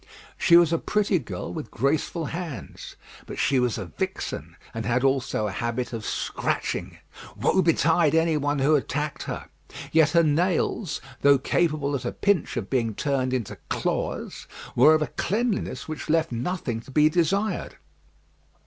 She was a pretty girl with graceful hands; but she was a vixen, and had also a habit of scratching. Woe betide any one who attacked her! yet her nails, though capable at a pinch of being turned into claws, were of a cleanliness which left nothing to be desired.